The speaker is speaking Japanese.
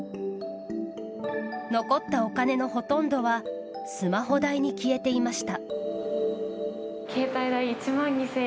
残ったお金のほとんどはスマホ代に消えていました。